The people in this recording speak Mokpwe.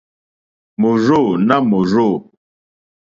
Mòrzô nà mòrzô.